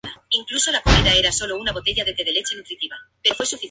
Perteneciente a la provincia de Valencia, en la comarca de Los Serranos.